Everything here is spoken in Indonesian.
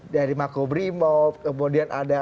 dari mako brimob kemudian ada